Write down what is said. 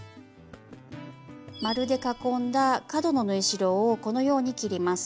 円で囲んだ角の縫い代をこのように切ります。